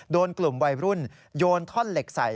โดนกลุ่มวัยรุ่นโยนท่อนเหล็กใส่